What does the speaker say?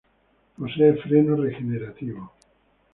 Posee freno regenerativo.